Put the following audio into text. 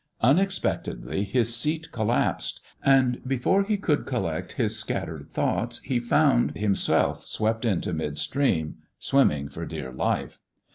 Unexpectedly his seat collapsed, and before he could collect his scattered thoughts he found himself swept into mid stream, swimming for dear life.